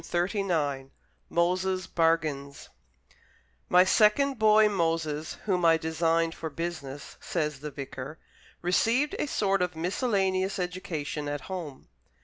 Shakespeare MOSES' BARGAINS "My second boy, Moses, whom I designed for business," says the vicar, "received a sort of miscellaneous education at home."